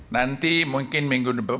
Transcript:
nanti mungkin minggu depan